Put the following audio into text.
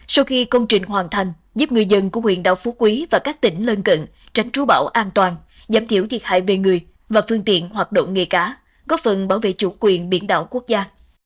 sau khi công trình hoàn thành giúp người dân của huyện đảo phú quý và các tỉnh lân cận tránh trú bão an toàn giảm thiểu thiệt hại về người và phương tiện hoạt động nghề cá góp phần bảo vệ chủ quyền biển đảo quốc gia